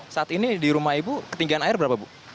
saat ini di rumah ibu ketinggian air berapa bu